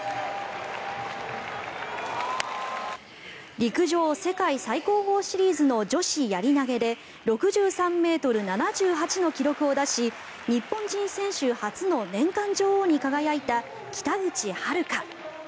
陸上世界最高峰シリーズの女子やり投で６３ｍ７８の記録を出し日本人選手初の年間女王に輝いた北口榛花。